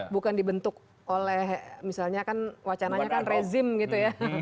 bukan dibentuk oleh misalnya kan wacananya kan rezim gitu ya